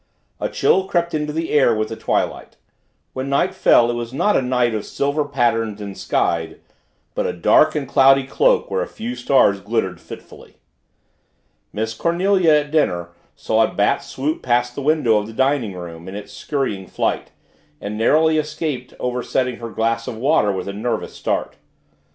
A chill crept into the air with the twilight. When night fell, it was not a night of silver patterns enskied, but a dark and cloudy cloak where a few stars glittered fitfully. Miss Cornelia, at dinner, saw a bat swoop past the window of the dining room in its scurrying flight, and narrowly escaped oversetting her glass of water with a nervous start.